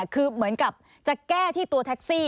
คือเหมือนกับจะแก้ที่ตัวแท็กซี่